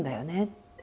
って。